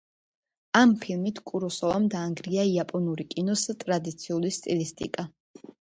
ამ ფილმით კუროსავამ დაანგრია იაპონური კინოს ტრადიციული სტილისტიკა.